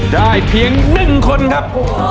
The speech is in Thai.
ได้เพียงหนึ่งคนครับ